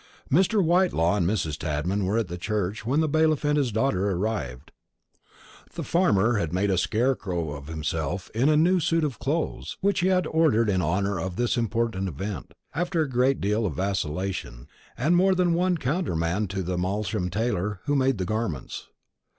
Mr. Whitelaw and Mrs. Tadman were at the church when the bailiff and his daughter arrived. The farmer had made a scarecrow of himself in a new suit of clothes, which he had ordered in honour of this important event, after a great deal of vacillation, and more than one countermand to the Malsham tailor who made the garments.